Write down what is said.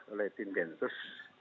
oleh tim densus